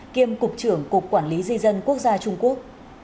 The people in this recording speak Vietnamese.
kiêm cục trưởng cục quản lý di dân quốc gia trung quốc